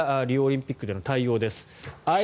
リオオリンピックでの対応です。